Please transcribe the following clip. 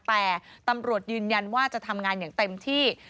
แต่ตำรวจยืนยันว่าจะทำงานอย่างเต็มที่